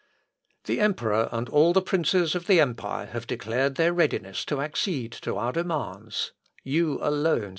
The emperor, and all the princes of the empire have declared their readiness to accede to our demands; you alone still hesitate...."